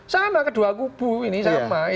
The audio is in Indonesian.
sama kedua kubu ini sama